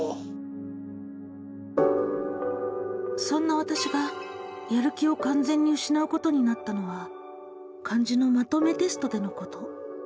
「そんな私がやる気をかん全にうしなうことになったのは漢字のまとめテストでのこと。